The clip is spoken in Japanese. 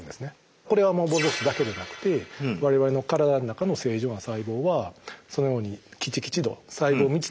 これはボルボックスだけではなくて我々のからだの中の正常な細胞はそのようにきちきち度細胞密度を感知する。